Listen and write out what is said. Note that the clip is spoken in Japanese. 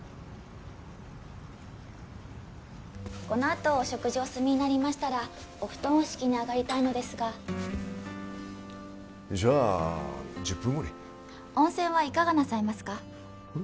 このあとお食事お済みになりましたらお布団を敷きにあがりたいのですがじゃあ１０分後に温泉はいかがなさいますか？